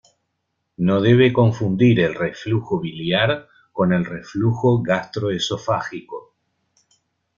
No debe confundir el reflujo biliar con el reflujo gastroesofágico.